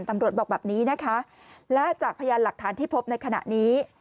ตำรวจบอกแบบนี้นะคะและจากพยานหลักฐานที่พบในขณะนี้